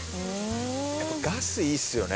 やっぱガスいいっすよね。